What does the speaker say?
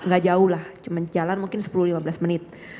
gak jauh lah cuma jalan mungkin sepuluh lima belas menit